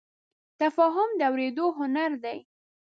تفاهم د اورېدو هنر دی.